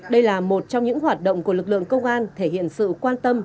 đây là một trong những hoạt động của lực lượng công an thể hiện sự quan tâm